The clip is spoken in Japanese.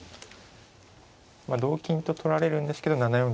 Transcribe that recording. まあ同金と取られるんですけど７四